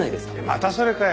またそれかよ。